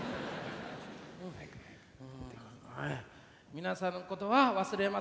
「皆さんのことは忘れません。